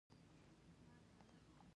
دغه لوبې نه یوازې غوره بوختیاوې دي.